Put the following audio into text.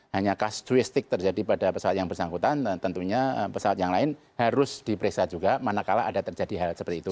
hanya kas doistik terjadi pada pesawat yang bersangkutan dan tentunya pesawat yang lain harus diperiksa juga manakala ada terjadi hal seperti itu